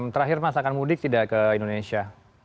terakhir mas akan mudik tidak ke indonesia